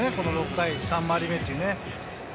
６回、３回り目というのが。